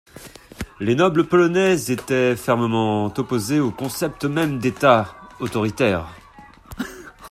Les nobles polonais étaient fermement opposés au concept même d'État autoritaire.